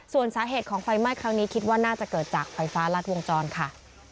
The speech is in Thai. ส่วนสาเหตุของไฟไหม้ครั้งนี้คิดว่าน่าจะเกิดจากไฟฟ้ารัดวงจรค่ะ